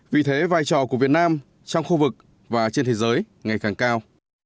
vì thế vai trò của việt nam trong khu vực và trên thế giới ngày càng cao